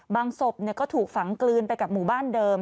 บางศพเนี่ยก็ถูกฝังกลืนไปกับหมู่บ้านเดิม